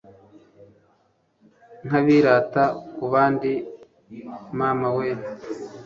nk'abirata ku bandi mama we